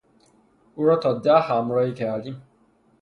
اورا تا ده همراهی کردیم